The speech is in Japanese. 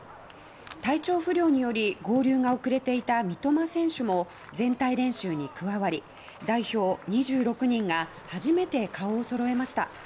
体調不良により合流が遅れていた三笘選手も全体練習に加わり代表２６人が初めて顔をそろえました。